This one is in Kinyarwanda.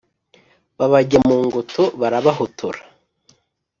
Babajya mu ngoto barabahotora